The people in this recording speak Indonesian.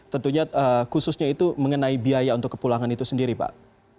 tentunya khususnya itu mengenai biaya untuk kepulangan itu sendiri pak